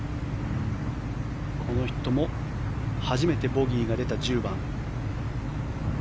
この人も初めてボギーが出た１０番。